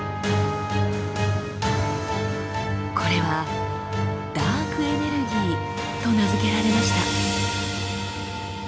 これは「ダークエネルギー」と名付けられました。